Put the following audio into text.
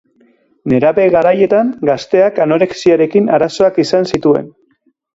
Nerabe garaietan gazteak anorexiarekin arazoak izan zituen.